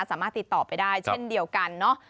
สามารถติดต่อไปได้เช่นเดียวกันเนาะ